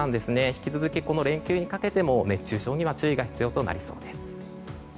引き続き、この連休にかけても熱中症には注意が必要です。